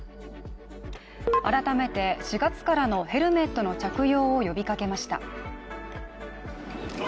改めて４月からのヘルメットの着用を呼びかけました。